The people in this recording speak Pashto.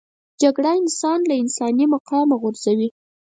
جګړه انسان له انساني مقامه غورځوي